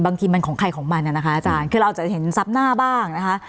บางทีมันของใครของมันนะคะอาจารย์คือเราอาจจะเห็นทรัพย์หน้าบ้างนะคะ